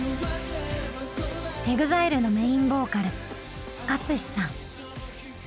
ＥＸＩＬＥのメインボーカルＡＴＳＵＳＨＩさん。